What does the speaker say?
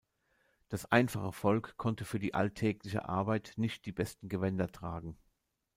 Das einfache Volk konnte für die alltägliche Arbeit nicht die besten Gewänder tragen.